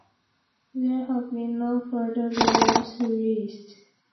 There have been no further volumes released.